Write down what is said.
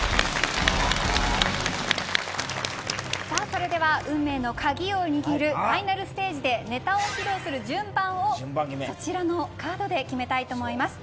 それでは運命の鍵を握るファイナルステージでネタを披露する順番をこちらのカードで決めたいと思います。